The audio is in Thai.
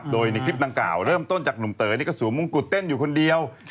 โดยในคลิปดังกล่าวเริ่มต้นจากหนุ่มเต๋อนี่ก็สวมมงกุฎเต้นอยู่คนเดียว